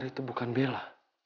itu bukan bella